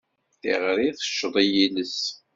Tiɣri tecceḍ i yiles.